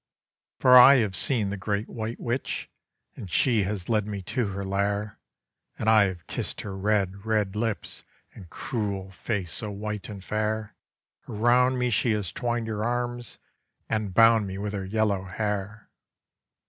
For I have seen the great white witch, And she has led me to her lair, And I have kissed her red, red lips And cruel face so white and fair; Around me she has twined her arms, And bound me with her yellow hair.